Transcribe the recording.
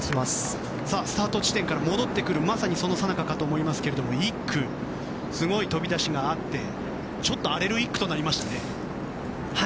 スタート地点から戻ってくるさなかだと思いますが、１区ですごい飛び出しがあって少し荒れる１区になりましたね。